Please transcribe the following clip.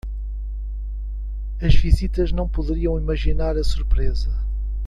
As visitas não poderiam imaginar a surpresa